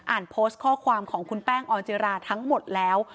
โพสต์ข้อความของคุณแป้งออนจิราทั้งหมดแล้ว